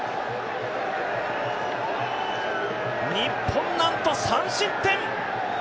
日本なんと３失点。